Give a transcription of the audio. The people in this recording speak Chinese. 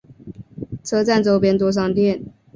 车站周边多商店。